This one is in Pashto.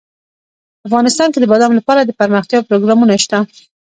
افغانستان کې د بادام لپاره دپرمختیا پروګرامونه شته.